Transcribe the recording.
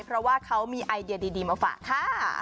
เพราะว่าเขามีไอเดียดีมาฝากค่ะ